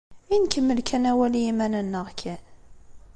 I nkemmel kan awal i yiman-nneɣ kan?